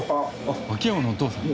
秋山のお父さん？